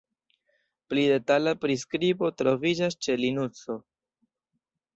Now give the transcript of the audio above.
Pli detala priskribo troviĝas ĉe Linukso.